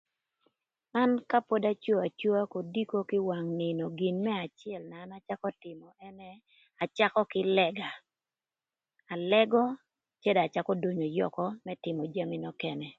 An ka pod aco acoa kodiko kï ï wang nïnö gin më acël na an acakö tïmö ënë nï acakö kï lëga, alëgö cë do acakö donyo yökö më tïmö jami nökënë.